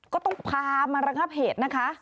ก็ต้องพามาระงับเหตุนะคะ